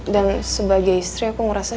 dan sebagai istri aku ngerasa